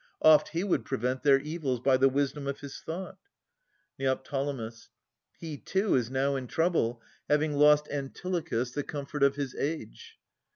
Oft he would prevent Their evils, by the wisdom of his thought. Neo. He too is now in trouble, having lost Antilochus, the comfort of his age.